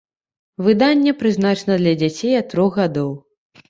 Выданне прызначана для дзяцей ад трох гадоў.